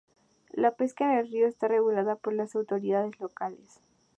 La pesca en el río está regulada por las autoridades locales.